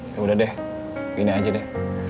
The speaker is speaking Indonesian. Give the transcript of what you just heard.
yaudah deh gini aja deh